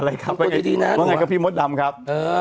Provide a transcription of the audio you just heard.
ว่าไงกับพี่มดดำครับ